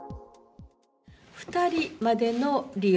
２人までの利用。